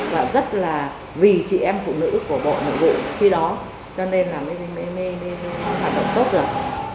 và rất là vì chị em phụ nữ của bộ nội vụ khi đó cho nên là mê mê mê mê hoạt động tốt được